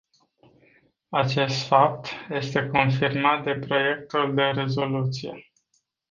Acest fapt este confirmat de proiectul de rezoluție.